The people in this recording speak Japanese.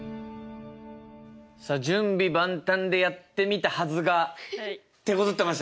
さあ準備万端でやってみたはずがてこずってましたね。